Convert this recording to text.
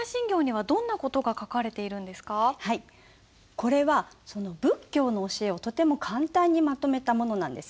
これは仏教の教えをとても簡単にまとめたものなんです。